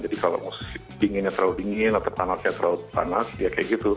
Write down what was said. jadi kalau musim dinginnya terlalu dingin atau panasnya terlalu panas ya kayak gitu